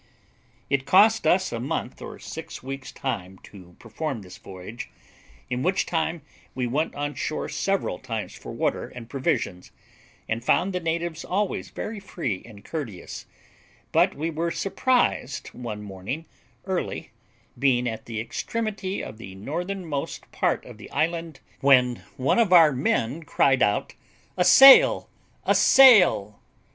It cost us a month or six weeks' time to perform this voyage, in which time we went on shore several times for water and provisions, and found the natives always very free and courteous; but we were surprised one morning early, being at the extremity of the northernmost part of the island, when one of our men cried out, "A sail! a sail!"